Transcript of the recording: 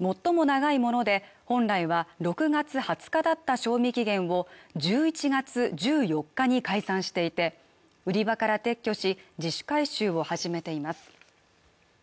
最も長いもので本来は６月２０日だった賞味期限を１１月１４日に改ざんしていて売り場から撤去し自主回収を始めています